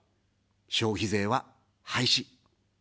消費税は廃止。